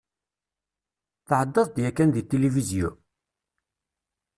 Tεeddaḍ-d yakan deg tilivizyu?